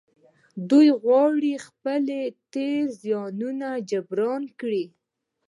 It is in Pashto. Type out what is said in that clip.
دوی غواړي خپل تېر زيانونه جبران کړي.